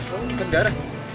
oh bukan darah